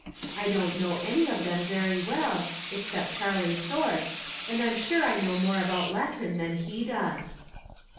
I don't know any of them very well, except Charlie Thorpe, and I'm sure I know more about Latin than he does.